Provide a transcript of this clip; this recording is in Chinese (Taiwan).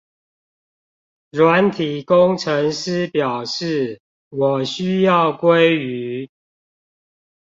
軟體工程師表示我需要鮭魚